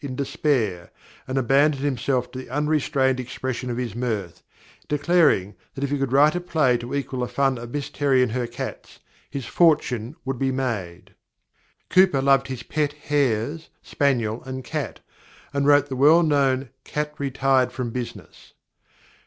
in despair, and abandoned himself to the unrestrained expression of his mirth, declaring that if he could write a play to equal the fun of Miss Terry and her cats, his fortune would be made." Cowper loved his pet hares, spaniel, and cat, and wrote the well known "Cat retired from business."